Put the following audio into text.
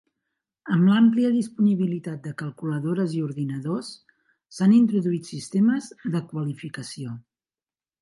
Amb l'àmplia disponibilitat de calculadores i ordinadors, s'han introduït sistemes de "qualificació".